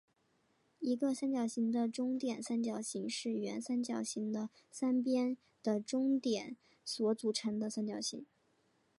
一个三角形的中点三角形是原三角形的三边的中点所组成的三角形。